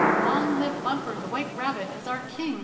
" Long live Bumper the White Rabbit as our king!"